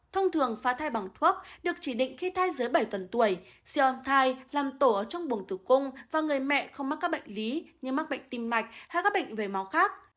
thông thường phá thai bằng thuốc được chỉ định khi thai dưới bảy tuần tuổi siêu thai làm tổ ở trong buồng tử cung và người mẹ không mắc các bệnh lý như mắc bệnh tim mạch hay các bệnh về máu khác